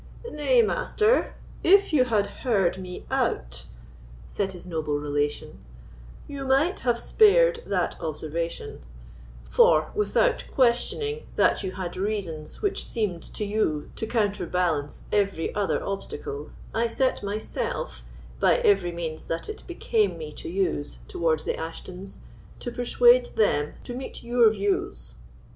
"Nay, Master, if you had heard me out," said his noble relation, "you might have spared that observation; for, without questioning that you had reasons which seemed to you to counterbalance every other obstacle, I set myself, by every means that it became me to use towards the Ashtons, to persuade them to meet your views."